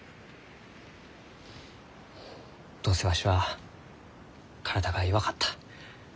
どうせわしは体が弱かった。